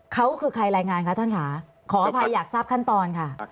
เขาคือใครรายงานคะท่านค่ะขออภัยอยากทราบขั้นตอนค่ะ